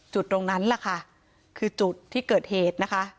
จุดตรงนั้นแหละค่ะคือจุดที่เกิดเหตุนะคะ